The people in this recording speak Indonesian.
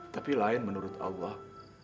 tapi lain menurut allah